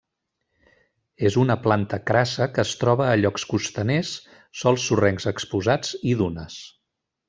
És una planta crassa que es troba a llocs costaners, sòls sorrencs exposats i dunes.